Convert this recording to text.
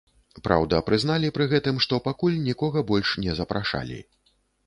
Праўда прызналі пры гэтым, што пакуль нікога больш не запрашалі.